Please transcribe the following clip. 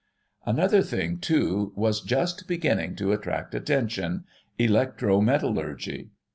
Another thing, too, was just beginning to attract attention — Electro metallurgy.